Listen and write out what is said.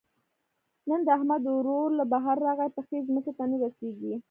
نن د احمد ورور له بهر راغی؛ پښې ځمکې ته نه رسېږي.